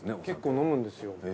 結構飲むんですよ。